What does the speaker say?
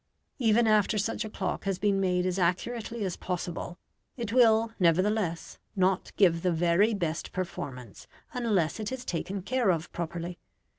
Even after such a clock has been made as accurately as possible, it will, nevertheless, not give the very best performance unless it is taken care of properly.